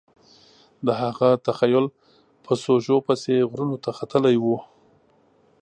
د هغه تخیل په سوژو پسې غرونو ته ختلی و